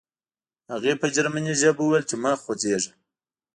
هغې په جرمني ژبه وویل چې مه خوځېږه